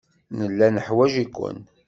Nella neḥwaj-iken.